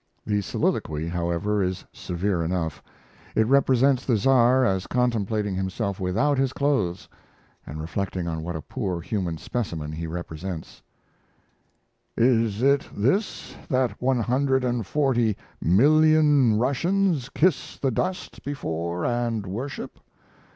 "The Soliloquy," however, is severe enough. It represents the Tsar as contemplating himself without his clothes, and reflecting on what a poor human specimen he presents: Is it this that 140,000,000 Russians kiss the dust before and worship?